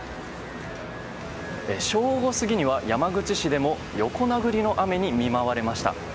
正午過ぎには、山口市でも横殴りの雨に見舞われました。